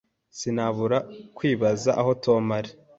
Sinabura kwibaza aho Tom ari.